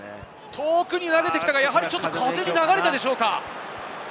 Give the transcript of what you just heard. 遠くに投げてきたが、風で流れたでしょうか？